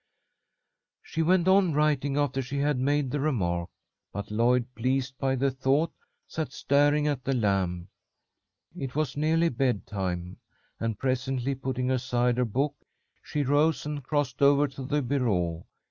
She went on writing after she had made the remark, but Lloyd, pleased by the thought, sat staring at the lamp. It was nearly bedtime, and presently, putting aside her book, she rose and crossed over to the bureau.